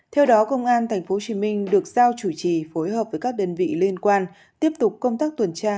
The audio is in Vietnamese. theo đó công an tp hcm được giao chủ trì phối hợp với các đơn vị liên quan tiếp tục công tác tuần tra